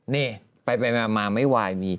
ตามไปมาก็ไม่วาย